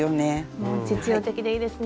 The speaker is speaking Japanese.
もう実用的でいいですね。